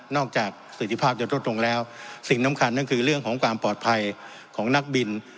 จากสิทธิภาพจะลดลงแล้วสิ่งสำคัญนั่นคือเรื่องของความปลอดภัยของนักบิน